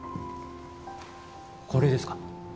これですか？